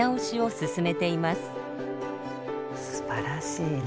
すばらしいね。